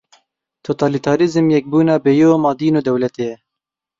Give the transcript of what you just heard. Totalîtarîzm, yekbûna bêyom a dîn û dewletê ye.